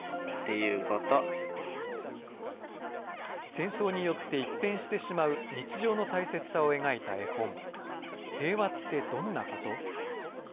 戦争によって一変してしまう日常の大切さを描いた絵本、へいわってどんなこと？